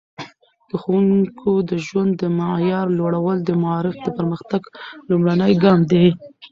د ښوونکو د ژوند د معیار لوړول د معارف د پرمختګ لومړنی ګام دی.